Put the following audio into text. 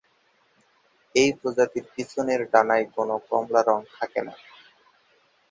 এই প্রজাতির পিছনের ডানায় কোনো কমলা রঙ থাকে না।